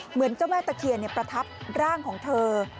เหมือนเจ้าแม่ตะเคียนประทับร่างของเธอ